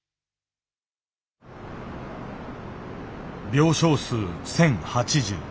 病床数１，０８０。